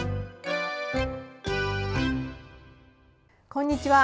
こんにちは。